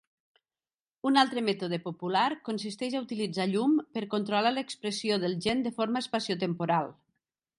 Un altre mètode popular consisteix a utilitzar llum per controlar l'expressió del gen de forma espaciotemporal.